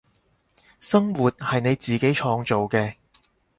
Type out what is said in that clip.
生活係你自己創造嘅